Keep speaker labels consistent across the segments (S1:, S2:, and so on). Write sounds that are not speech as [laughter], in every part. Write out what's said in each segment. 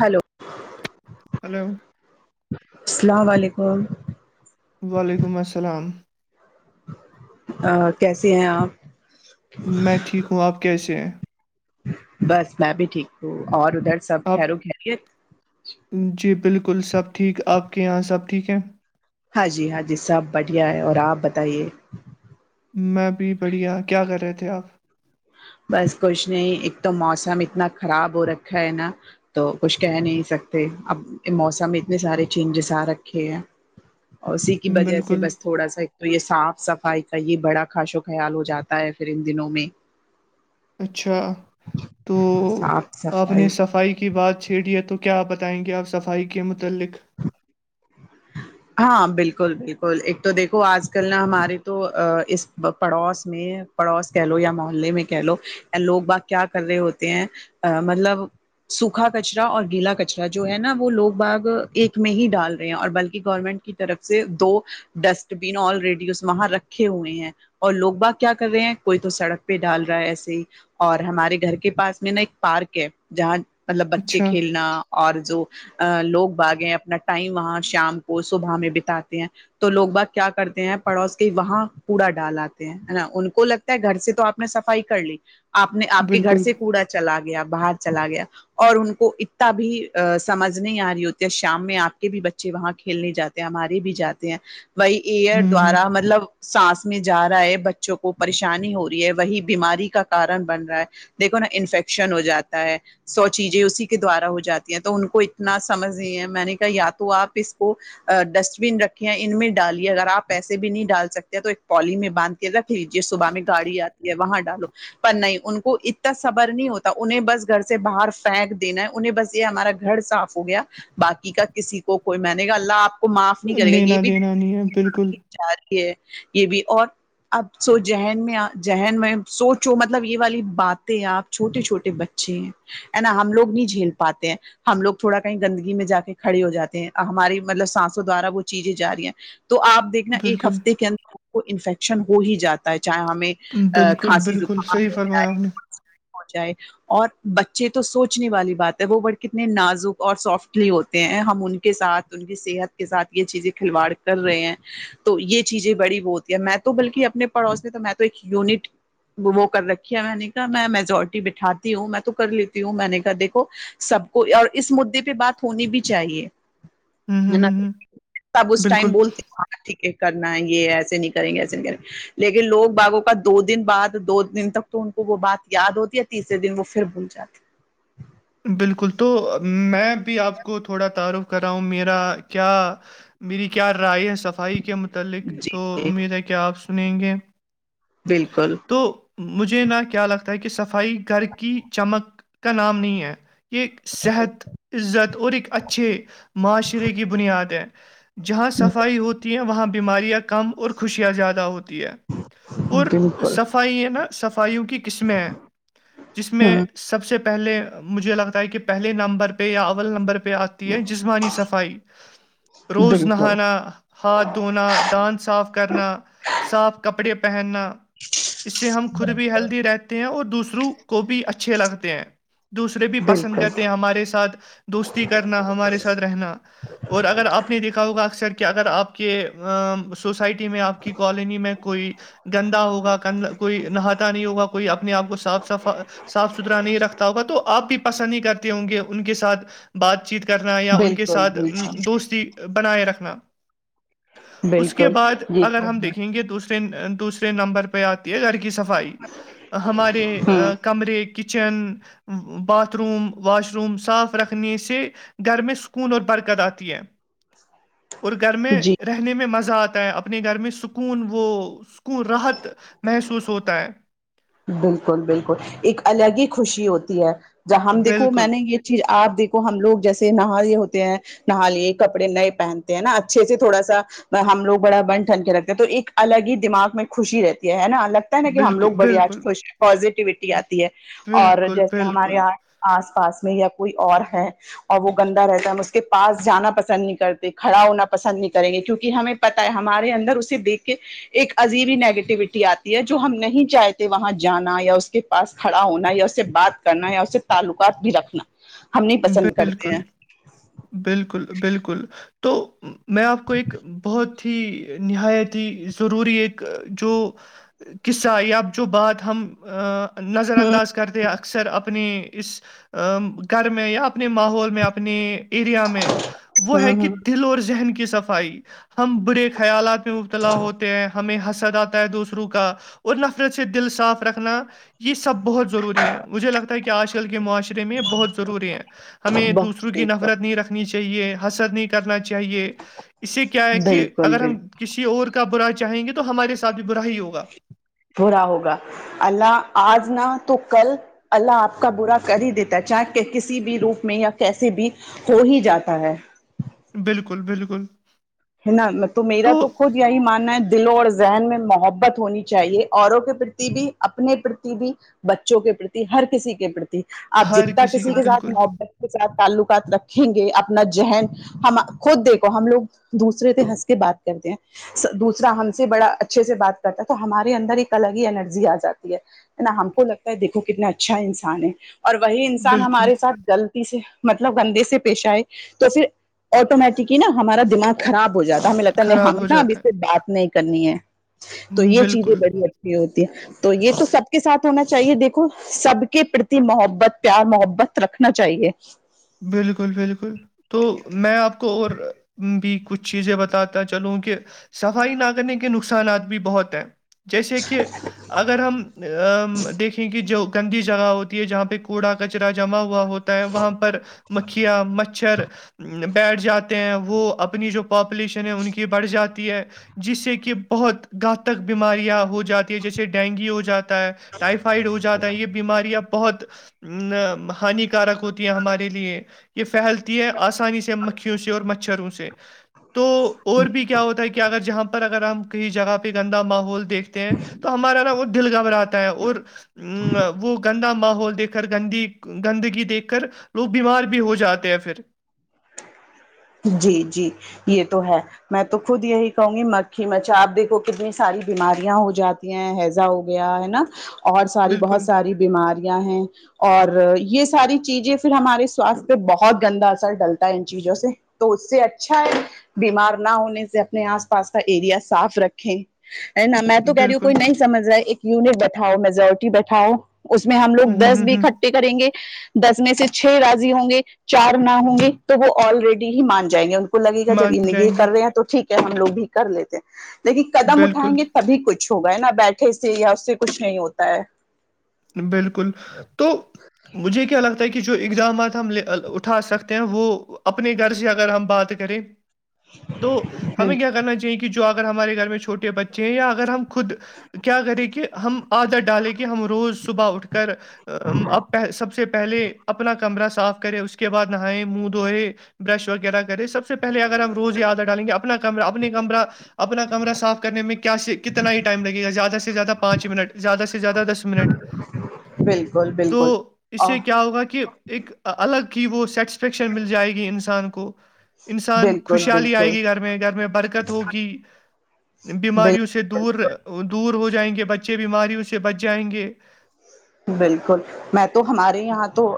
S1: hello
S2: hello
S1: السلام علیکم
S2: وعلیکم السلام
S1: کیسے ہیں آپ
S2: میں ٹھیک ہوں آپ کیسے ہیں
S1: بس میں بھی ٹھیک ہوں اور ادھر سب
S2: آپ
S1: خیرو گری
S2: جی بالکل سب ٹھیک آپ کے یہاں سب ٹھیک ہیں
S1: ہاں جی ہاں جی سب بڑھیا ہے اور آپ بتائیے
S2: میںب بڑھیا کیا کر رہے تھے آپ
S1: بس کچھ نہیں ایک تو موسم اتنا خراب ہو رکھا ہے نا تو کچھ کہہ نہیں سکتے اب موسم اتنے سارے چینجز آ رکھے ہیں اور اسی کی وجہ سے
S2: بالکل
S1: بس تھوڑا سا ایک تو یہ صاف صفائی کا یہ بڑا خاش خیال ہو جاتا ہے پھر ان دنوں میں
S2: اچھا تو آپ نے صفائی کی بات چھیڑ ہے تو کیا بتائیں گے آپ صفائی کے متعلق
S1: [inaudible] ہاں بالکل بالکل ایک تو دیکھو آج کل نا ہماراری تو اس پڑوس میں پڑوس کہ لو یا محلے میں کہ لو لوگ با کیا کر رہے ہوتے ہیں مطلب سوکھا کچرا اور گیلا کچرا جو ہے نا وہ لوگ باغ ایک میں ہی ڈال رہے ہیں اور بلکہ گورنمنٹ کی طرف سے دو ڈسٹ بین آلریڈی اس میں وہاں رکھے ہوئے ہیں اور لوگ با کیا کر رہے ہیں کوئی تو سڑک پہ ڈال رہا ہے ایسے ہی اور ہمارے گھر کے پاس میں نا ایک پارک ہے جہاں مطلب بچے
S2: اچھا
S1: کھیلنا اور جو لوگ بغ اپنا ٹائم وہاں شام کو صبح میں بتاتے ہیں تو لوگ بس کیا کرتے ہیں پڑوس کے وہاں کوڑا ڈالاتتے ہیں نا ان کو لگتا گھر سے تو آپ نے صفائی کر لی آپ نے آپ کے گھر
S2: بالکل
S1: سے کوڑا چلا گیا باہر چلا گیا اور ان کو اتنا بھی سمجھ نہیں آ رہی ہوتی شام میں آپ کے بھی بچے وہاں کھیلنے جاتے ہیں ہمارے بھی جاتے ہیں وہی ایئر
S2: ہوں ہوں
S1: دوارا مطلب سانس میں جا رہا ہے بچوں کو پریشانی ہو رہی ہے وہی بیماری کا کارن بن رہا ہے دیکھو نا انفیکشن ہو جاتا ہے سو چیزیں اسی کے دوارا ہو جاتی ہیں تو ان کو اتنا سمجھ میں نے کہا یا تو آپ اس کو ڈسٹ بین رکھے ہیں ان میں ڈالیے اگر آپ اییسے بھی نہیں ڈال سکتے تو ایک پالی میں باندھ رکھ لیجے صبح میں گاڑی آتی ہے وہاں ڈالو پر نہیں ان کو اتنا صبر نہیں ہوتا انہیں بس گھر سے باہر پھینک دینا ہے انہیں بس یہ ہمارا گھر صاف ہو گیا باقی کا کسی کو کوئی م نے گا اللہ آپ کو معاف نہیں کرے گا
S2: لینا
S1: یہ بھی
S2: دینا نہیں ہے بالکل
S1: جا رہی ہے یہ بھی اور اب سو ذہن میں ذہن میں سوچو مطلب یہ والی باتیں آپ چھوٹے چھوٹے بچے ہیں نا ہم لو نہیں جھیل پاتے ہیں ہم لوگ تھوڑا کہیں گندگی میں جا کے کھڑے ہو جاتے ہیں ہماری مطلب سانسوں دوارا وہ چیزیں ج رہی ہیں تو آپ دیکھنا ایک
S2: بالکل
S1: ہفتے کے اندر ہم کو انفیکشن ہو ہی جاتا ہے چاہے ہمیں ا
S2: بالکل
S1: کھانسی
S2: بالکل
S1: جکام
S2: صحیح فرمایا آپ نے
S1: جائے اور بچے تو سوچنے والی بات ہے وہ بورڈ کتنے نازک اور سافٹ ہوتے ہیں ہم ان کے ساتھ ان کی صحت کے ساتھ یہ چیزیں کھلواڑ کر رہے ہیں تو یہ چیزیں بڑی وہ ہوتی ہے میں تو بلکہ اپنے پڑوس میں تو میں تو ایک یونٹ وہ کر رھی ہے میں نے کہا میں میجورٹی بٹھاتی ہوں میں تو کر لیتی ہوں میں نے کہا دیکھو سب کو اور اس مدے پہ بات ہونی بھی چاہیے
S2: ہوں ہوں
S1: نا
S2: ہوں ہوں
S1: سب اس ٹائم
S2: بالکل
S1: بولتے ہاں ٹھیک ہے کرنائیں گے ایسے نہیں کریں گے ایسے نہیں کریں گے لیکن لوگ باغوں کا دو دن بعد دو دن تک تو ان کو وہ بات یاد ہوتی ہے تیسرے دن وہ پھر بھول جاتی ہے
S2: بالکل تو میں بھی آپ کو تھوڑا تعارف کر رہا ہوں میرا کیا میری کیا رائے ہے صفائی کے متعلق
S1: جی
S2: تو
S1: جی
S2: امید ہے کیا آپ سنیں گے
S1: بالکل
S2: تو مجھے نہ کیا لگتا ہے کہ صفائی گھر کی چمک کا نام نہیں ہے یہ صحت عزت اور ایک اچھے معاشرے کی بنیاد ہے جہاں صفائی ہوتی ہیں وہاں بیماریاں کم اور خوشیاں زیادہ ہوتی ہیں اور
S1: بالکل
S2: صفائی ہے نا صفائیوں کی قسمیں ہیں جس میں
S1: ہوں
S2: سب سے پہلے مجھے لگتا ہے کہ پہلے نمبر پہ یا اول نمبر پہ آ ہے جسمانی صفائی روز
S1: بالکل
S2: نہانا ہاتھ دھونا داند صاف کرنا صاف کپڑے پہننا اس سے ہم خود بھی ہیلدی رہتے ہیں اور دوسروں کو بھی اچھے لگتے ہیں دوسرے بھی پسند
S1: بالکل
S2: کرتے ہیں ہمارے ساتھ دوستی کرنا ہمارے ساتھ رہنا اور اگر آپ نے دیکھا ہوگا اکثر کہ اگر آپ کے سوسائٹی میں آپ کی کالونی میں کوئی گندا ہوگاند کوئی نہاتا نہیں ہوگا کوئی اپنے آپ کو صاف صفا صاف ستھرا نہیں رکھتا ہوگا تو آپ بھی پسند نہیں کرتے ہوں گے ان کے ساتھ بات چیت کرنا یا ان کے
S1: بالکل
S2: ساتھ
S1: بالکل
S2: دوستی بنائے رکھنا اس کے
S1: بالکل
S2: بعد
S1: جی
S2: اگر ہم دیکھیں گے دوسرے دوسرے نمبر پہ آتی ہے گھر کی صفائی ہمارے
S1: ہوں
S2: کمرے کے kitchen bathroom washroom صاف رکھنے سے گھر میں سکون اور برکت آتی ہے اور گھر میں
S1: جی
S2: رہنے میں مزہ آتا ہے اپنے گھر میں سکون وہ کو راحت محسوس ہوتا ہے
S1: بالکل بالکل ایک الگ ہی خوشی ہوتی ہے جہ ہم دیکھو میں
S2: بالکل
S1: نے یہ چیز آپ دیکو ہم لوگ جیسے نہاری یہ ہوتے ہیں نہا لیے کپڑے نئے پہنتے ہیں نا اچھے سے تھوڑا سا ہم لوگ بڑا بن ٹھن کے رکھتے ہیں تو ایک الگ ہی دماغ میں خوشی رہتی ہے نا الگ نا کہ ہم
S2: بالکل
S1: لوگ بڑی آج
S2: بالکل
S1: خوش پزیٹیوٹی آتی ہے اور
S2: بالکل
S1: جیسے ہمارے
S2: بالکل
S1: یہاں آس پاس میں یا کوئی اور ہے اور وہ گندا رہتا ہے ہم اس کے پاس جانا پسند نہیں کرتے کھڑا ہونا پسند نہیں کریں گے کیونکہ ہمیں پتا ہے ہمارے اندر اسے دیکھ کے ایک عجیبی نیگیٹیوٹی آتی ہے جو ہم نہیں چاہتے وہاں جانا یا اس کے پاس کھڑا ہونا یا اسے بات کرنا یا اسے تعلقات بھی رکھنا ہم نہیں پسند کرتے
S2: بالکل
S1: ہیں
S2: بالکل بالکل تو میں آپ کو ایک بہت ہی نہایت ہی ضروری ایک جو قصہ اب جو بات ہم نظر
S1: ہوں
S2: انداز کرتے اکثر اپنی اس میں یا اپنے ماحول میں اپنے ایریا میں وہ ہے
S1: ہوں
S2: کہ
S1: ہوں
S2: دل اور ذہن کی صفائی ہم برے خیالات میں مبتلا ہوتے ہیں ہمیں حسدات ہے دوسروں کا اور نفرت سے دل صاف رکھنا یہ سب بہت ضروری ہے مجھے لگتا ہے کہ آج کل کے معاشرے میں بہت ضروری ہے ہمیں دوسرے خرو
S1: بہت
S2: کی
S1: بالکل
S2: نفرت نہیں رکھنی چاہیے حسد نہیں کرنا چاہیے اس سے کیا ہے کہ
S1: بالکل
S2: اگر
S1: بالکل
S2: ہم کسی اور کا برا چاہیں گے تو ہمارے ساتھ بھی برا ہی ہوگا
S1: برا ہوگا اللہ آج نہ تو کل اللہ آپ کا برا کر ہی دیتا ہے چاہے کہ کسی بھی روپ میں یا کیسے بھی ہو ہی جاتا ہے
S2: بالکل بالکل
S1: ہے نا تو میرا تو خود یہی ماننا ہے دلوں اور ذہن میں محبت ہونی چاہیے اوروں کے پرتی بھی اپنے پرتی بھی بچوں کے پرتی ہر کسی کے پرتی آپ جتنا کسی کے ساتھ محت کے ساتھ تعلقات رکھیں گے اپنا ذہن ہم خود دیکھو ہم لوگ دوسرے سے ہنس کے بات کرتے ہیں دوسرا ہم سے بڑا اچھے سے بات کرتا ہے تو ہمارے اندر ایک الگ ہی انرجی آ جاتی ہے نا ہم کو لگتا ہے دیکھو کتنا اچھا انسان ہے اور وہی انسان
S2: بالکل
S1: ہمارے ساتھ جلی سے مطلب گندے سے پیش آئے تو پھر آٹومیٹکلی نا ہمارا دماغ خراب ہو جاتا ہمیں لگتا نہیں
S2: خراب
S1: ہمیں
S2: ہو
S1: نا ابھی
S2: جاتا
S1: سے بات نہیں کرنی ہے تو
S2: ہے
S1: یہ چیزیں
S2: بالکل
S1: بڑی اچھی یہ ہوتی ہے تو یہ تو سب کے ساتھ ہونا چاہیے دیکھو سب کے پرتی محبت پیار محبت رکھنا چاہیے
S2: بالکل بالکل تو میں آپ کو اور بھی کچھ چیزیں بتاتا چلوں کہ صفائی نہ کرنے کے نقصانات بھی بہت ہیں جیسے کہ اگر ہم دیکھیں کہ جو گندی جگہ ہوتی ہے جہاں پہ کوڑا کچرا جما ہوا ہوتا ہے وہاں پر مکھیا مچھر بیٹھ جاتے ہیں وہ اپنی جو پاپولیشن ہے ان کی بڑھ جاتی ہے جس سے کہ بہت گھاتک بیماریاں ہوتی جاتی ہے جیسے ڈینگی ہو جاتا ہے ٹائفائڈ ہو جاتا ہے یہ بیماریاں بہت ہانیکارک ہوتی ہے ہمارے لیے یہ فہل ہے آسانی سے مکھیوں سے اور مچھروں سے تو اور بھی کیا ہوتا ہے کہ اگر جی یہاں پر اگر ہم کہیں جگہ پہ گندا ماحول دیکھتے ہیں تو ہمارا نا وہ دل گم رہا ہے اور ا وہ گندا ماحول دیک کر گندی گندگی دیکھ کر لوگ بیمار بھی ہو جاتے ہیں پھر
S1: جی جی یہ تو ہے میں تو خود یہی کہوں گی مکھی مچا آپ دیکھو کتنی ساری بیماریاں ہو جاتی ہیضا ہو گیا ہے نا اور ساری بہت
S2: بالکل
S1: ساری بیماریاں ہیں اور یہ ساری چیزیں پھر ہمارے سواستھ پہ بہت گندا اثر ڈلتا ان چیزوں سے تو اس سے اچھا ہے بیمار نہ ہونے سے اپنے آس پاس کا ایریا صاف رکھیں ہے نا میں تو کہہ رہی ہوں
S2: بالکل
S1: کوئی نہیں سمج رہا ہے ایک یونٹ بیٹھاؤ میجورٹی بیٹھاؤ اس میں ہم لوگ
S2: ہوں ہوں
S1: دس
S2: ہوں ہوں
S1: بھیٹا کریں گے دس میں سے چھ راضی ہوں گے چار نہ ہوں گے تو وہ آلریڈی ہی مان جائیں گے ان کو لگےا جب
S2: مان
S1: ان یہ
S2: جائیں گے
S1: کر رہے ہیں تو ٹھیک ہے ہم لوگ بھی کر لیتے لیکن قدم
S2: بالکل
S1: اٹھائیں گے تو تبھی کچھ ہوگا ہے نا بیٹھے سے یا اس سے کچھ نہیں ہوتا ہے
S2: بالکل تو مجھے کیا لگتا ہے کہ جو اقدامات ہمے اٹھا سکتے ہیں وہ اپنے گھر سے اگر ہم بات کریں تو ہمیں کیا کرنا چاہیے کہ کہ جو اگر ہمارے گھر میں چھوٹے بچے ہیں یا اگر ہم خود کیا کریں کہ ہم عادت ڈالیں کہ ہم روز صبح اٹھ کر اب ہ سب سے پہلے اپنا کمرہ صاف کرے اس کے بعد نہائے منہ دھوئے برش وغیرہ کرے سب سے پہلے اگر ہم روز یادہ ڈالیں گے اپنا کمرہ اپنی کمرہ اپنا کمرہ صاف کرنے میں کیا کتنا ہی ٹائم لگے گا زیادہ سے زیادہ پانچ منٹ زیادہ سے زیادہ دس منٹ
S1: بالکل
S2: تو
S1: بالکل
S2: اس
S1: آ
S2: سے کیا ہوگا کہ ایک الگ ہی وہ سیٹسفیکشن مل جائے گی انسان کو انسان
S1: بالکل
S2: خوشحالی آئے
S1: بالکل
S2: گی گھر میں گھر میں برکت ہوگی بیماریوں سے
S1: بالکل
S2: دور دور ہو جائیں گے بچے بیماریوں سے بچ جائیں گے
S1: بالکل میں تو ہمارے یہاں تو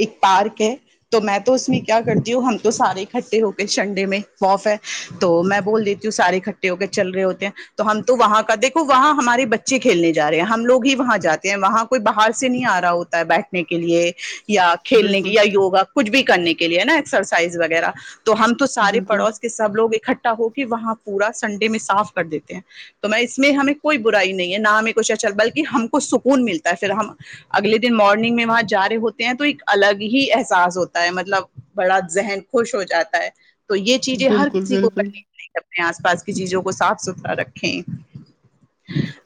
S1: ایک پارک ہے تو میں تو اس میں کیا کرتی ہوں ہم تو سارے اکٹھے ہو کے چنڈے میں وف ہے تو میں بول دیتی سار اٹھے ہو کے چل رہے ہوتے ہیں تو ہم تو وہاں کا دیکھو وہاں ہمارے بچے کھیلنے جا رہے ہیں ہم لوگ ہی وہاں جاتے ہیں وہاں کوئی باہر سے نہیں آ رہا ہوتا ہے بیٹھنے کے لیے یا کھیلنے کے
S2: بالکل
S1: یا یوگا کچھ بھی کرنے کے لیے نا ایکسرسائز وغیرہ تو ہم تو سارے
S2: بالکل
S1: پڑوس سب لوگ اکٹھا ہو کے وہاں پورا سنڈے میں صاف کر دیتے ہیں تو میں اس میں ہمیں کوئی برائی نہیں ہے نہ ہمیں کچھ اچل بلکہ ہم کو سکون ملتا ہے پھر ہم اگلے دن مارننگ میں وہاں جا رہے ہوتے ہیں تو ایک الگ ہی احساس ہوتا ہے مطلب بڑا ذہن خوش ہو جاتا ہے تو یہ چیزیں ہر
S2: بالکل
S1: کسی کو
S2: بالکل
S1: کر اپنے آس پاس کی چیزوں کو صاف ستھرا رکھیں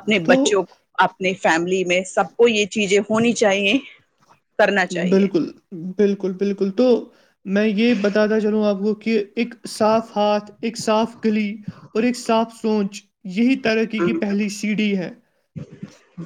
S1: اپنے
S2: تو
S1: بچوں کو اپنے فیملی میں سب کو یہ چیزیں ہونی چاہیے کرنا چاہیے
S2: بالکل بالکل بالکل تو میں یہ بتاتا چلوں آپ کو کہ ایک صاف ہاتھ ایک صاف گلی اور ایک صاف سونچ یہی ترقی کی پہلی سی ڈھی ہے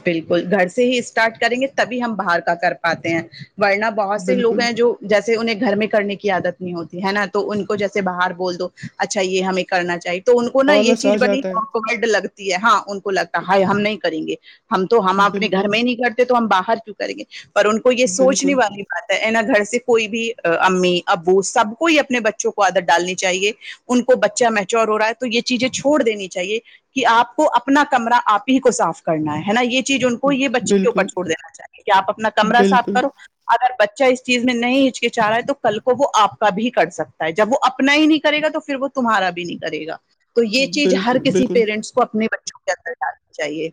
S1: بالکل گھر سے ہی اسٹارٹ کریں گے تبھی ہم باہر کا کر پاتے ہیں ورننا بہت سے لوگ
S2: بالکل
S1: ہیں جو جیسے انہیں گھر میں کرنے کی عادت نہیں ہوتی ہے نا تو ان کو جیسے باہر بول دو اچھا یہ ہمیں کرنا چاہیے تو ان کو نا یہ
S2: آلس آ
S1: چیز بنی
S2: جاتا
S1: گڈ لگتی ہے ہاں ان کو لگتا ہے ہائی ہم نہیں کریں گے ہم تو ہم
S2: ہے
S1: اپنے
S2: بالکل
S1: گھر میں ہی نہیں کرتے تو ہم باہر کیوں کریں گے پر ان کو یہ سوچ نہیں
S2: بالکل
S1: وال رہی آ ہے نا گھر سے کوئی بھی امی ابو سب کو ہی اپنے بچوں کو آادت ڈالنی چاہیے ان کو بچہ میچور ہو رہا ہے تو یہ چیزیں چھوڑ دینی چاہیے کہ آپ کو اپنا کمرہ آپ ہی کو صاف کرنا ہے نا یہ چیز ان کو یہ بچے کے اوپر
S2: بالکل
S1: چھڑ دینا چاہیے کہ آپ اپنا کمرہ صاف
S2: بالکل
S1: کرو اگر بچہ اس چیز میں نہیں ہچک چاہ رہا ہے تو کل کو وہ آپ کا بھی کر سکتا جب وہ اپنا ہی نہیں کرے گا تو پھر وہ تمہارا بھی نہیں کرے گا تو یہ چیز ہر
S2: بالکل
S1: کسی کے
S2: بالکل
S1: کو اپنے بچوں کے اندر ڈالنا چاہیے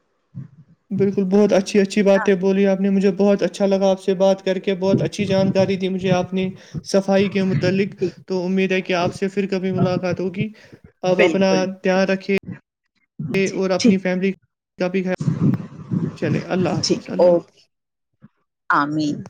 S2: بالکل بہت اچھی اچھی باتیں بولی آپ نے مجے بہت اچھاگاپ سے بات کر کے بہت اچھا جانکاری دی مجھے آپ نے صفائی کے متعلق
S1: ٹھیک
S2: تو امید ہے کہ آپ سے پھر کبھی ملاقات ہوگی آپ اپنا
S1: بالکل
S2: دھیان رکھیے
S1: جی
S2: اور اپنی
S1: ٹھیک
S2: فیملی کا بھی چلے اللہ حافظ
S1: ٹھیک
S2: اللہ
S1: اوکے
S2: حافظ
S1: امین